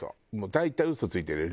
大体嘘ついてるよ